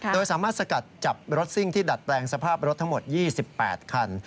โดยสามารถสกัดจับรถซิ่งที่ดัดแปลงสภาพรถทั้งหมด๒๘คัน